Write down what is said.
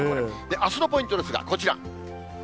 あすのポイントですが、こちら。